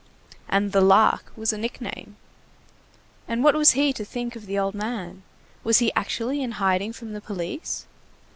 And the Lark was a nickname. And what was he to think of the old man? Was he actually in hiding from the police?